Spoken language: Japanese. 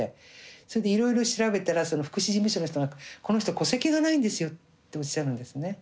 それでいろいろ調べたらその福祉事務所の人がこの人戸籍がないんですよっておっしゃるんですね。